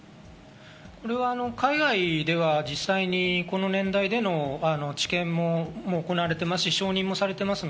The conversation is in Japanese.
海外では実際にこの年代での治験も行われていますし、承認もされています。